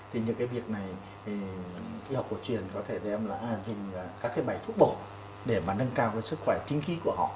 thì những cái việc này y học cổ truyền có thể đem lại các cái bài thuốc bổ để mà nâng cao cái sức khỏe chính khí của họ